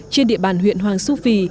trên địa bàn huyện hoàng su phi